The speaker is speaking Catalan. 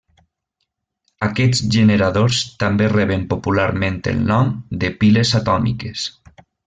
Aquests generadors també reben popularment el nom de piles atòmiques.